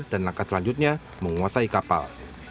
dan langkah selanjutnya menguasai kapal